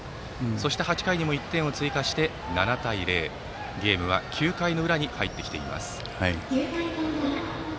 そして、８回にも１点を追加して７対０で、ゲームは９回裏に入ってきています。